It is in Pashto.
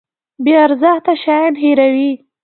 بې ارزښته شیان هیروي.